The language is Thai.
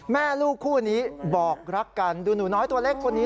แม่ลูกคู่นี้บอกรักกันดูหนูน้อยตัวเล็กคนนี้